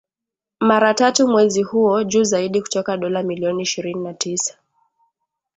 Mara tatu kwa mwezi huo, juu zaidi kutoka dola milioni ishirini na tisa